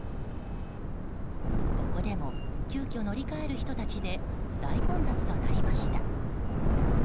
ここでも急きょ乗り換える人たちで大混雑となりました。